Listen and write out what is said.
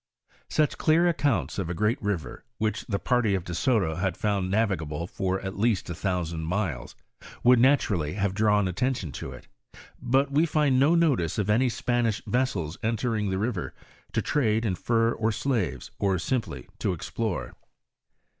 "* Such clear accounts of a great river, which the party of De Soto had found navigable for at least a thousand miles, would naturally have drawn attention to it; but we find no notice of any Spanish vessels entering the river to trade in furs or slaves, or simply to explore.